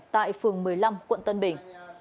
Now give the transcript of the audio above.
tại phường một mươi năm quận tân bình